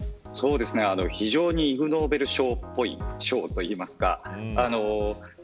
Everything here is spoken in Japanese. イグ・ノーベル賞っぽい賞といいますか。